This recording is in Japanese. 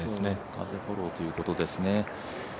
風、フォローということですね。